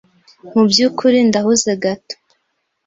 Mubyukuri, , ndahuze gato.